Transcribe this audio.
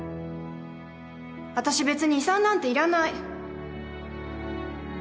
私別に遺産なんていらない。